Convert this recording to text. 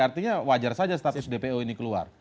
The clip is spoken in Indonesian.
artinya wajar saja status dpo ini keluar